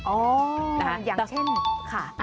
อย่างเช่นค่ะ